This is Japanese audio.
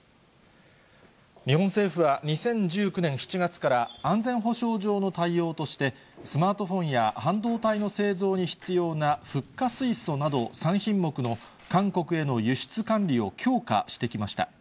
日本政府は、２０１９年７月から、安全保障上の対応として、スマートフォンや半導体の製造に必要なフッ化水素など３品目の韓国への輸出管理を強化してきました。